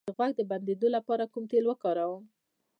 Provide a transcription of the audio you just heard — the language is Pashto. د غوږ د بندیدو لپاره کوم تېل وکاروم؟